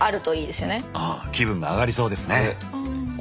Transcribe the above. あ気分が上がりそうですね！